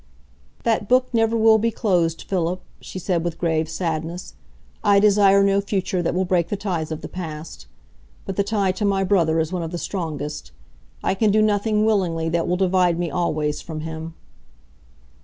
"That book never will be closed, Philip," she said, with grave sadness; "I desire no future that will break the ties of the past. But the tie to my brother is one of the strongest. I can do nothing willingly that will divide me always from him."